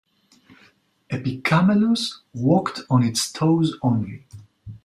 "Aepycamelus" walked on its toes only.